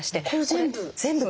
これ全部？